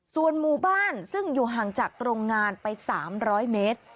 ส่วนหมู่บ้านซึ่งอยู่ห่างจากโรงงานไป๓๐๐เมตร